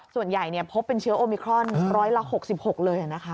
ส่วนใหญ่พบเป็นเชื้อโอมิครอนร้อยละ๖๖เลยนะคะ